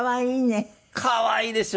可愛いでしょ？